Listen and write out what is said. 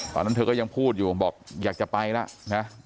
ตอนนั้นเธอก็ยังพูดอยู่บอกอยากจะไปแล้วนะ